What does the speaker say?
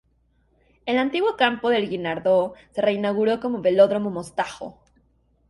El antiguo Campo del Guinardó se reinauguró como Velódromo Mostajo.